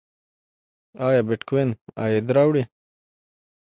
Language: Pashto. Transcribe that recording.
ایا بېټکوین عاید راوړي؟